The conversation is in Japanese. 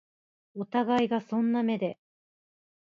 お互いがそんな目で